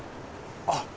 あっ。